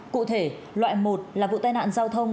cụ thể loại một là vụ tai nạn giao thông